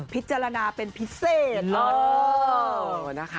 พิจารณาเป็นพิเศษ